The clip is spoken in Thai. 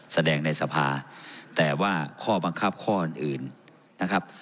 ในสภาแต่ว่าข้อบังคับข้ออื่นนะครับ